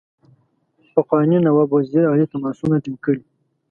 پخواني نواب وزیر علي تماسونه ټینګ کړي.